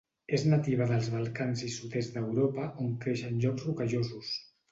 És nativa dels Balcans i sud-est d'Europa on creix en llocs rocallosos.